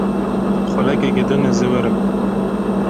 Xulekeke din ez ê werim.